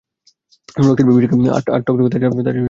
রক্তের বিভীষিকা আর টকটকে তাজা রক্তই এর শেষ পরিণতি।